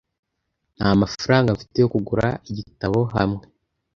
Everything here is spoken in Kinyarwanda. Ntamafaranga mfite yo kugura igitabo hamwe.